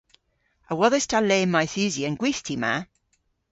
A wodhes ta le mayth usi an gwithti ma?